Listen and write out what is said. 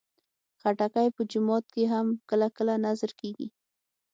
خټکی په جومات کې هم کله کله نذر کېږي.